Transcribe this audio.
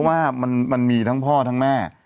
ว่ามันมีทั้งพ่อทั้งแม่